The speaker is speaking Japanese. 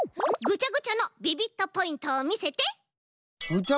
ぐちゃぐちゃのビビットポイント？